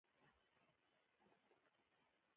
اوبزین معدنونه د افغانستان د تکنالوژۍ پرمختګ سره تړاو لري.